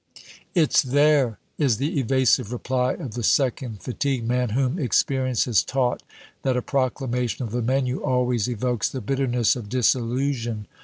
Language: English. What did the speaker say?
"It's there," is the evasive reply of the second fatigue man, whom experience has taught that a proclamation of the menu always evokes the bitterness of disillusion.